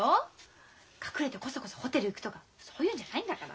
隠れてコソコソホテル行くとかそういうんじゃないんだから。